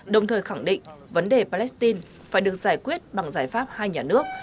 đồng thời khẳng định vấn đề palestine phải được giải quyết bằng giải pháp hai nhà nước